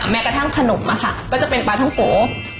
แม้กระทั่งขนมอะค่ะก็จะเป็นปลาท่องโก